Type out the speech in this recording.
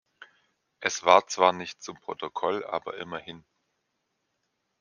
Es war zwar nicht zum Protokoll, aber immerhin.